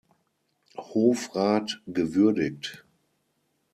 Hofrat gewürdigt.